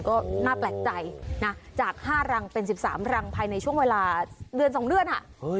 ก็น่าแปลกใจนะจาก๕รังเป็น๑๓รังภายในช่วงเวลาเดือน๒เดือน